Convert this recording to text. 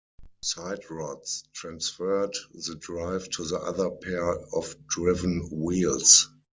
Siderods transferred the drive to the other pair of driven wheels.